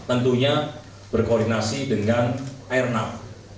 tentunya berkoordinasi dengan air nap